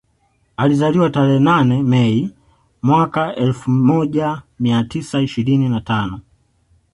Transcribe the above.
Alizaliwa tarehe nane Mei mwaka elfu moja mia tisa ishirini na tano